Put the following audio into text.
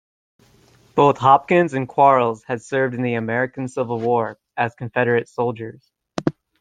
Both Hopkins and Quarles had served in the American Civil War as Confederate soldiers.